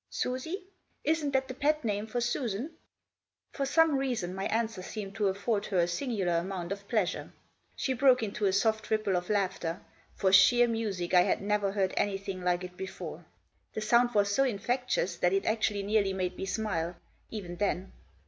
" Susie ? Isn't that the pet name for Susan ?" For some reason my answer seemed to afford her a singular amount of pleasure. She broke into a soft ripple of laughter ; for sheer music I had never heard anything like it before. The sound was so infectious that it actually nearly made me smile — even then!